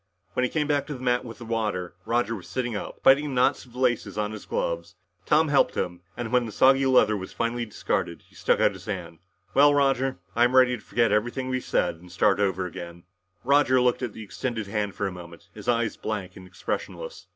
When he came back to the mat with the water, Roger was sitting up, biting the knots of the laces on his gloves. Tom helped him, and when the soggy leather was finally discarded, he stuck out his hand. "Well, Roger, I'm ready to forget everything we've said and start all over again." Roger looked at the extended hand for a moment, his eyes blank and expressionless.